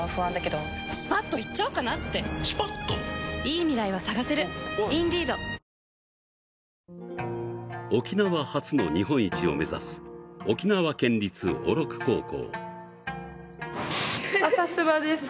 いいじゃないだって沖縄初の日本一を目指す沖縄県立小禄高校。